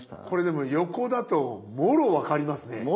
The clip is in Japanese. これでも横だともろ分かりますね。